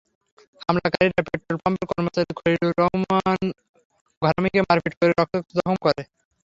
হামলাকারীরা পেট্রলপাম্পের কর্মচারী খলিলুর রহমান ঘরামিকে মারপিট করে রক্তাক্ত জখম করে।